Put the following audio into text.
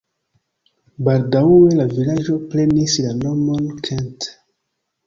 Baldaŭe la vilaĝo prenis la nomon Kent.